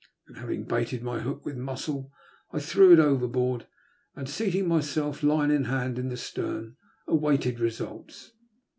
Then, having baited my hook with mussel, I threw it overboard, and seat ing myself, line in hand, in the stem, awaited results.